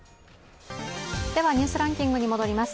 ではニュースランキングに戻ります。